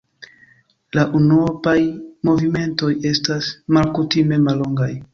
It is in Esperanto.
La unuopaj movimentoj estas malkutime mallongaj.